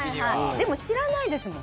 でも知らないですもん。